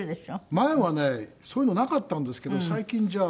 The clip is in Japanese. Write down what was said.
前はねそういうのなかったんですけど最近じゃ。